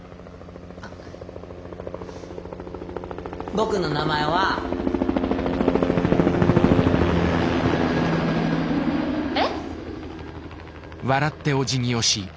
あ僕の名前は。え？